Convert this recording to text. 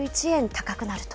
高くなると。